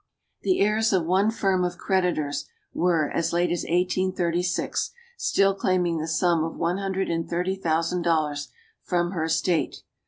The heirs of one firm of creditors were, as late as 1836, still claiming the sum of one hundred and thirty thousand dollars from her estate.